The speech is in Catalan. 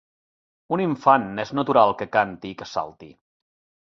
Un infant és natural que canti i que salti